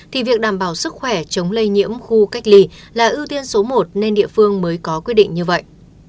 thì việc đảm bảo sức khỏe chống lây nhiễm khu cách ly là ưu tiên số một nên địa phương mới có quyết định như vậy